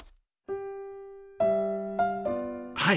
はい。